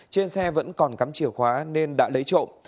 trên xe vẫn còn cắm chìa khóa nên đã lấy trộm